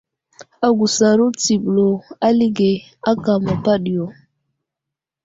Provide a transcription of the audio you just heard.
Agusaro tsiɓlo alige áka məpaɗiyo.